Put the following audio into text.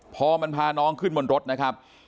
พอมันพาน้องขึ้นบนรถนะครับ